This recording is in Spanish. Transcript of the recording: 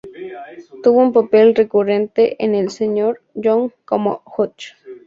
Tuvo un papel recurrente en el Sr. Young como Hutch.